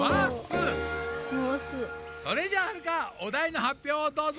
それじゃあはるかお題のはっぴょうをどうぞ。